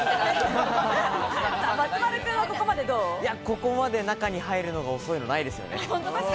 ここまで中に入るのが遅いのないですよね。